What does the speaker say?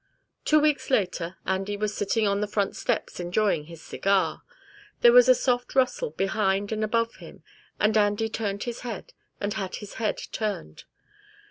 Two weeks later Andy was sitting on the front steps enjoying his cigar. There was a soft rustle behind and above him, and Andy turned his head and had his head turned.